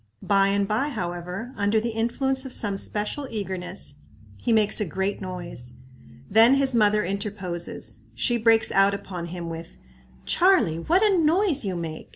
By and by, however, under the influence of some special eagerness, he makes a great noise. Then his mother interposes. She breaks out upon him with, "Charlie, what a noise you make!